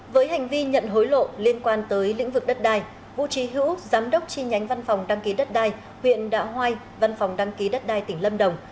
với hành vi nhận hối lộ liên quan tới lĩnh vực đất đai vũ trí hữu giám đốc chi nhánh văn phòng đăng ký đất đai huyện đạ hoai văn phòng đăng ký đất đai tỉnh lâm đồng